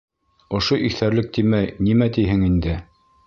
Ошо иҫәрлек тимәй, нимә тиһең инде?